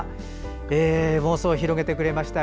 妄想を広げてくれました。